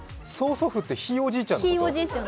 曽祖父って、ひいおじいちゃんのこと！？